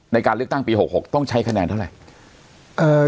ในการเลือกตั้งปี๖๖ต้องใช้คะแนนเท่าไหร่